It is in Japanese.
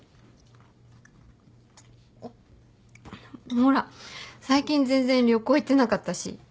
ほら最近全然旅行行ってなかったし。